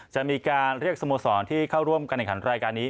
จะมีการเรียกสโมสรที่เข้าร่วมการแข่งขันรายการนี้